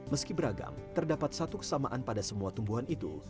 meski beragam terdapat satu kesamaan pada semua tumbuhan itu